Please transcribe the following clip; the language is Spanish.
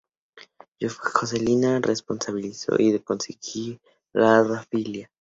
Josefina se responsabilizó de conseguir la rafia.